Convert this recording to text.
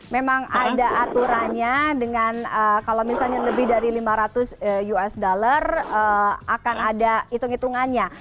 memang ada aturannya dengan kalau misalnya lebih dari lima ratus usd akan ada hitung hitungannya